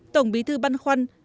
tổng bí thư băn khoăn